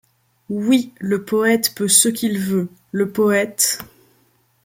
Oui, le poète peut ce qu’il veut ; le poète